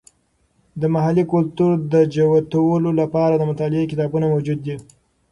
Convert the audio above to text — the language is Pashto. د محلي کلتور د جوتولو لپاره د مطالعې کتابونه موجود دي.